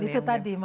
dan itu tadi